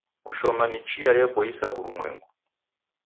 Kushoma ni chia yeboisa w'urumwengu.